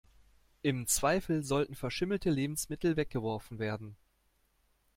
Im Zweifel sollten verschimmelte Lebensmittel weggeworfen werden.